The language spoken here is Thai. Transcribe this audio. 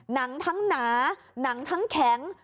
หนังทั้งหนาหนังทั้งแข็ง